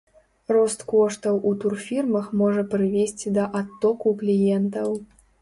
Рост коштаў у турфірмах можа прывесці да адтоку кліентаў.